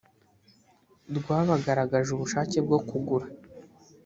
rw abagaragaje ubushake bwo kugura